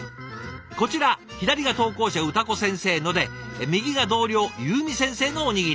こちら左が投稿者うたこ先生ので右が同僚ゆうみ先生のおにぎり。